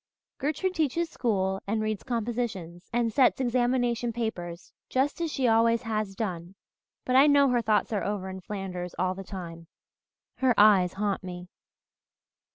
Gertrude teaches school and reads compositions and sets examination papers just as she always has done, but I know her thoughts are over in Flanders all the time. Her eyes haunt me.